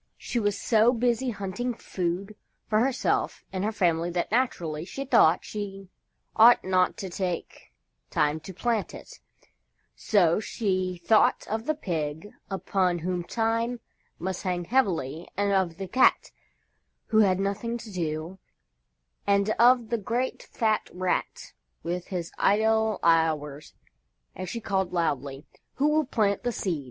She was so busy hunting food for herself and her family that, naturally, she thought she ought not to take time to plant it. So she thought of the Pig upon whom time must hang heavily and of the Cat who had nothing to do, and of the great fat Rat with his idle hours, and she called loudly: "Who will plant the Seed?"